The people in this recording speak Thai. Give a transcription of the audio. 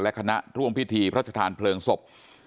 และคณะร่วมพิธีพระชธานเพลิงศพ